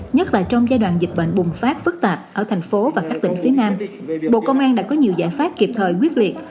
nhất là trong giai đoạn dịch bệnh bùng phát phức tạp ở thành phố và các tỉnh phía nam bộ công an đã có nhiều giải pháp kịp thời quyết liệt